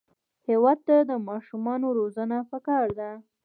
هېواد ته د ماشومانو روزنه پکار ده